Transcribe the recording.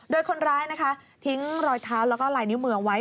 โดยคนร้ายนะคะทิ้งรอยเท้าแล้วก็ลายนิ้วมือไว้